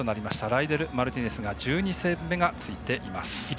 ライデル・マルティネスが１２セーブ目がついています。